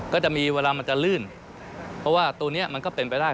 ก็จะมีเวลามันจะลื่นเพราะว่าตัวนี้มันก็เป็นไปได้